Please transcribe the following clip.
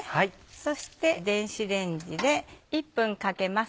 そして電子レンジで１分かけます。